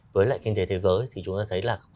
với lại kinh tế thế giới thì chúng ta thấy là